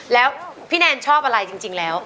แล้วพี่แนนชอบอะไรจริงแล้ว